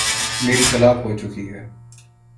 میری طلاق ہو چکی ہے۔